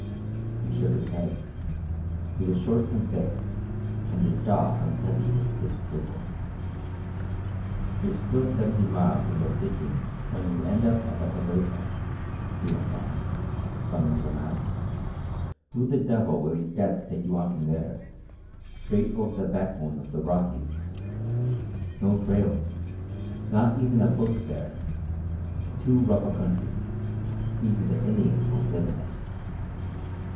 He shook his head. He was short and thick, and his jaw hung heavy with disapproval. "You're still seventy miles from the Stikine when you end up at the Kwadocha," he went on, thumbing the map. "Who the devil will you get to take you on from there? Straight over the backbone of the Rockies. No trails. Not even a Post there. Too rough a country. Even the Indians won't live in it."